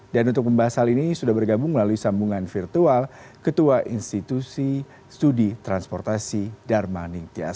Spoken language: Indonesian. dan untuk membahas hal ini sudah bergabung melalui sambungan virtual ketua institusi studi transportasi dharma ningtyas